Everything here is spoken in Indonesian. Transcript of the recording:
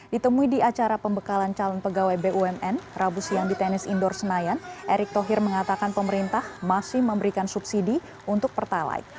ditemui di acara pembekalan calon pegawai bumn rabu siang di tenis indoor senayan erick thohir mengatakan pemerintah masih memberikan subsidi untuk pertalite